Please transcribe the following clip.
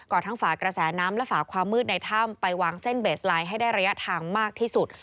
ทั้งฝากระแสน้ำและฝาความมืดในถ้ำไปวางเส้นเบสไลน์ให้ได้ระยะทางมากที่สุด